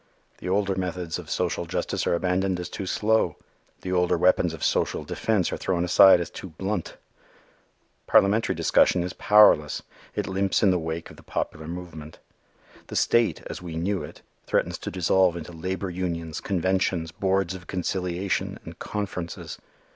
The older methods of social progress are abandoned as too slow. The older weapons of social defense are thrown aside as too blunt. Parliamentary discussion is powerless. It limps in the wake of the popular movement. The "state", as we knew it, threatens to dissolve into labor unions, conventions, boards of conciliation, and conferences.